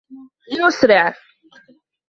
لنسرع.